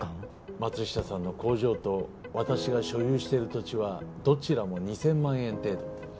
松下さんの工場と私が所有している土地はどちらも２，０００万円程度。